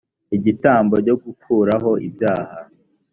igitambo cyo gukuraho ibyaha